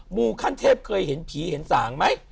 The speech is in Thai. หมู่ขั้นเทพเคยเห็นผีเห็นสางไหม